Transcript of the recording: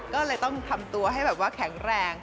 ก็เลยต้องทำตัวให้แบบว่าแข็งแรง